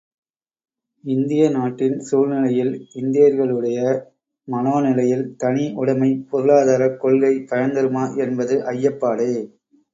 இந்திய நாட்டின் சூழ்நிலையில் இந்தியர்களுடைய மனோநிலையில் தனி உடைமைப் பொருளாதாரக் கொள்கை பயன்தருமா என்பது ஐயப்பாடே!